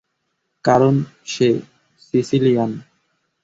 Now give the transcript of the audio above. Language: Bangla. কারন সে সিসিলিয়ান।